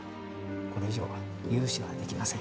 これ以上は融資はできません